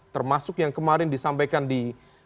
termasuk yang kemarin disampaikan di